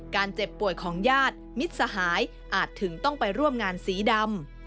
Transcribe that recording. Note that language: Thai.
เจ็บป่วยของญาติมิตรสหายอาจถึงต้องไปร่วมงานสีดำ